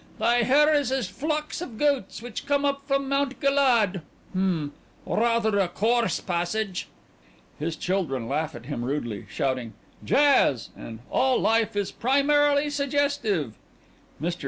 Thy hair is as flocks of goats which come up from Mount Galaad Hm! Rather a coarse passage...." (His children laugh at him rudely, shouting "Jazz!" and "All life is primarily suggestive!") MR.